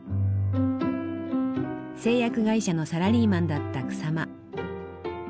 製薬会社のサラリーマンだった草間。